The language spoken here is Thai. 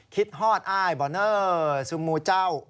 ฮอดอ้ายบอเนอร์ซูมูเจ้า